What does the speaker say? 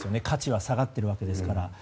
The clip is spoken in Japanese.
価値は下がっているわけですから。